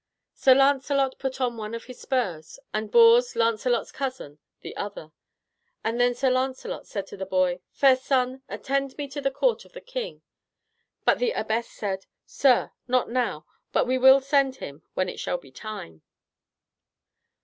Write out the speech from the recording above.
Sir Lancelot put on one of his spurs, and Bors, Lancelot's cousin, the other, and then Sir Lancelot said to the boy, "Fair son, attend me to the court of the king;" but the abbess said, "Sir, not now, but we will send him when it shall be time."